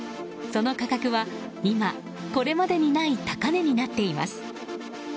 その価格は今これまでにない高値になっています。